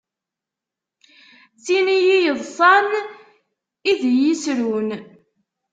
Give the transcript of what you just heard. D tin i yi-yeḍṣan i d i yi-yesrun.